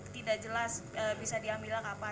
tidak jelas bisa diambil kapan